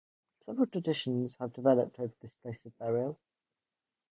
Several traditions have developed over his place of burial.